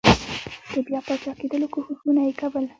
د بیا پاچاکېدلو کوښښونه یې کول.